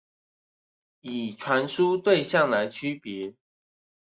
以傳輸對象來區別